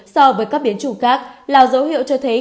so với các biến chủng khác là dấu hiệu cho thấy